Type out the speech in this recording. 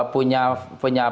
punya tingkat internasional